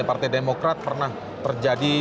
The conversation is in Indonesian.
partai demokrat pernah terjadi